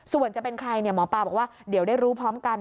ส่วนจะเป็นใครหมอปลาบอกว่าเดี๋ยวได้รู้พร้อมกัน